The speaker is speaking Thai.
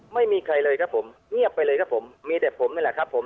ไม่มีใครเลยครับผมเงียบไปเลยครับผมมีแต่ผมนี่แหละครับผม